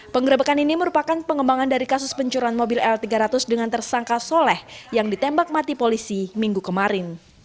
penggerebekan ini merupakan pengembangan dari kasus pencurian mobil l tiga ratus dengan tersangka soleh yang ditembak mati polisi minggu kemarin